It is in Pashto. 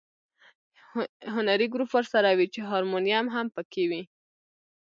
هنري ګروپ ورسره وي چې هارمونیم هم په کې وي.